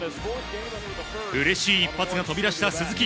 うれしい一発が飛び出した鈴木。